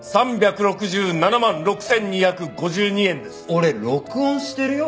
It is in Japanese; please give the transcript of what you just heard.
俺録音してるよ。